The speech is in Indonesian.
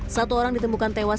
satu orang ditemukan tewas